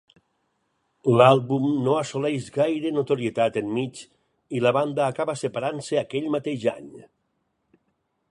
L'àlbum no assoleix gaire notorietat enmig i la banda acaba separant-se aquell mateix any.